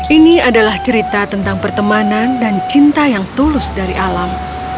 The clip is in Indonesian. ini adalah cerita tentang pertemanan dan cinta yang tulus dari alam